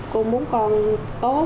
cô muốn con tốt